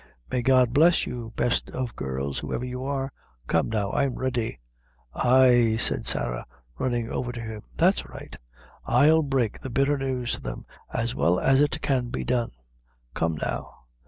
"May God bless you, best of girls, whoever you are! Come, now, I'm ready." "Ay," said Sarah, running over to him, "that's right I'll break the bitter news to them as well as it can be done; come, now."